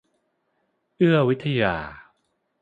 เอื้อวิทยา